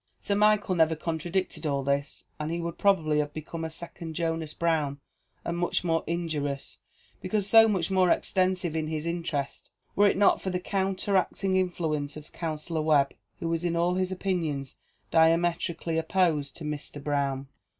Sir Michael never contradicted all this, and he would probably have become a second Jonas Brown, and much more injurious, because so much more extensive in his interests, were it not for the counteracting influence of Counsellor Webb, who was in all his opinions diametrically opposed to Mr. Brown.